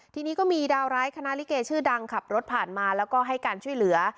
ทีนี้ก็มีดาวร้ายคณะลิเกชื่อดังขับรถผ่านมาแล้วก็ให้การช่วยเหลือ